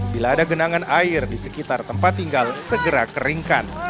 bila ada genangan air di sekitar tempat tinggal segera keringkan